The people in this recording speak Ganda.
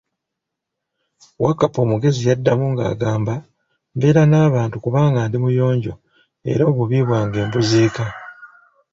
Wakkapa omugezi yaddamu nga agamba, Mbeera na abantu kubanga ndi muyonjo era obubi bwange mbuziika.